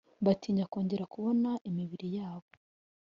batinya kongera kubona imibiri y’ababo